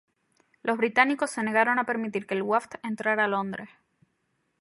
Los británicos se negaron a permitir que el Wafd entrara a Londres.